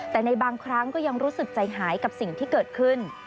แต่ในบางครั้งก็ยังรู้สึกใจหายกับสิ่งที่เกิดขึ้น